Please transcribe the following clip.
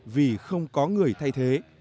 vì không có người thay thế